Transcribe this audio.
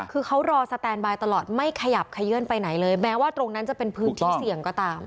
คือเขารอสแตนบายตลอดไม่ขยับขยื่นไปไหนเลยแม้ว่าตรงนั้นจะเป็นพื้นที่เสี่ยงก็ตาม